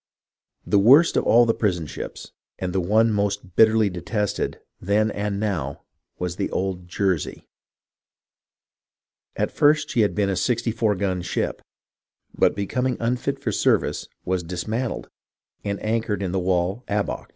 The worst of all the prison ships and the one most bitterly detested then and now was the old Jersey. At first she had been a sixty four gun ship, but becoming unfit for service was dismantled and anchored in the Wall abocht.